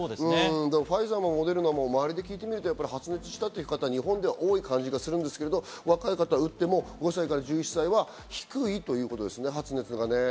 ファイザーもモデルナも周りで聞いてみると発熱した方、日本では多い感じがしますが若い方が打っても５歳から１１歳は低いということですね、発熱が。